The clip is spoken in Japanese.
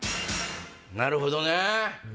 なるほどね。